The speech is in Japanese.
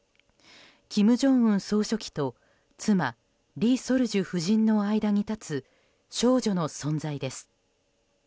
金正恩総書記と妻リ・ソルジュ夫人の間に立つ少女の存在です。